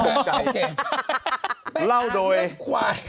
โอ้โฮโจรใจ